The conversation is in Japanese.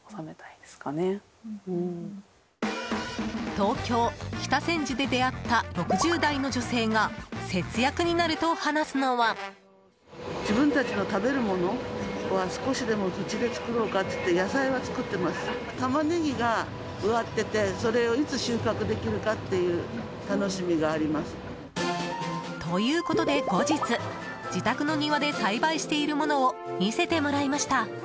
東京・北千住で出会った６０代の女性が節約になると話すのは。ということで、後日自宅の庭で栽培しているものを見せてもらいました。